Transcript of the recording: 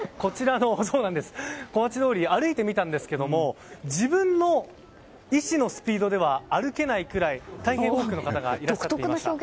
小町通りを歩いてみたんですが自分の意思のスピードでは歩けないくらい、大変多くの方がいらっしゃっていました。